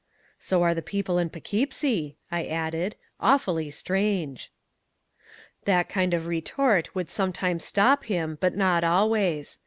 "So are the people in P'Keepsie," I added, "awfully strange." That kind of retort would sometimes stop him, but not always.